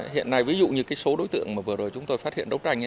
hiện nay ví dụ như cái số đối tượng mà vừa rồi chúng tôi phát hiện đấu tranh